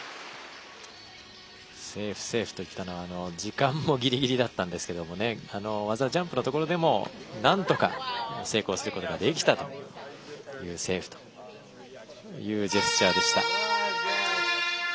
セーフ、セーフといったのは時間もギリギリだったんですが技、ジャンプのところでもなんとか成功することができたというセーフというジェスチャーでした。